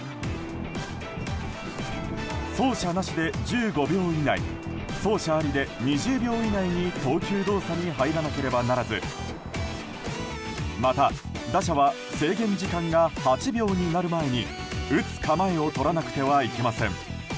走者なしで１５秒以内走者ありで２０秒以内に投球動作に入らなければならずまた打者は制限時間が８秒になる前に打つ構えをとらなくてはいけません。